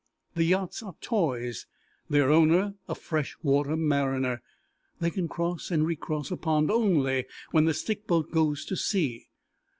The yachts are toys, their owner a fresh water mariner, they can cross and recross a pond only while the stick boat goes to sea.